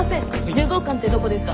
１０号館ってどこですか？